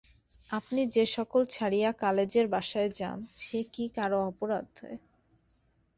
আপনি যে সকল ছাড়িয়া কালেজের বাসায় যান, সে কি কাহারো অপরাধে।